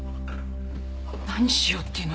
何しようっていうの！？